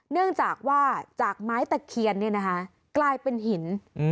เนื่องจากว่าจากไม้ตะเคียนกลายเป็นหิน